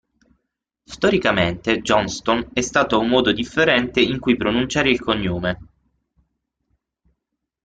Storicamente, "Johnston" è stato un modo differente in cui pronunciare il cognome.